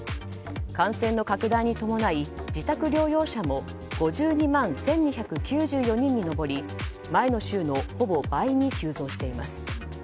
感染の拡大に伴い自宅療養者も５２万１２９４人に上り前の週のほぼ倍に急増しています。